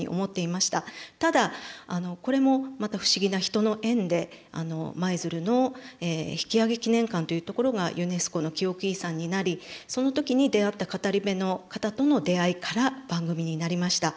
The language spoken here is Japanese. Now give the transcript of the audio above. ただこれもまた不思議な人の縁で舞鶴の引揚記念館というところがユネスコの記憶遺産になりその時に出会った語り部の方との出会いから番組になりました。